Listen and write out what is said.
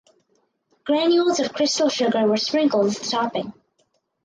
Granules of crystal sugar were sprinkled as the topping.